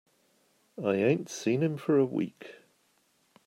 I ain't seen him for a week.